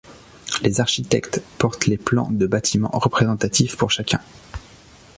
Les architectes portent les plans de bâtiments représentatifs pour chacun.